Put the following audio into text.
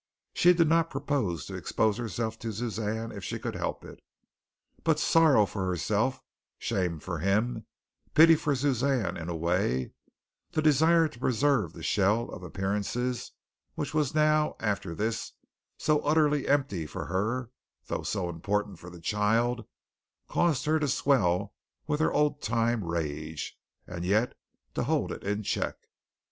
She did not propose to expose herself to Suzanne if she could help it, but sorrow for herself, shame for him, pity for Suzanne in a way, the desire to preserve the shell of appearances, which was now, after this, so utterly empty for her though so important for the child, caused her to swell with her old time rage, and yet to hold it in check.